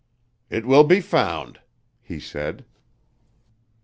"It will be found," he said.